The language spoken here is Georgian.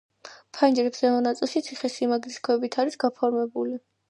ფანჯრებს ზემო ნაწილი ციხესიმაგრის ქვებით არის გაფორმებული.